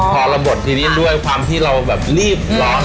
พอเราบดทีนี้ด้วยความที่เราแบบรีบร้อน